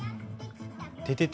ててて！